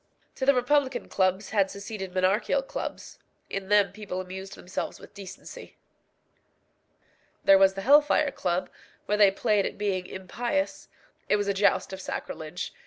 To the republican clubs had succeeded monarchical clubs. In them people amused themselves with decency. There was the Hell fire Club, where they played at being impious. It was a joust of sacrilege.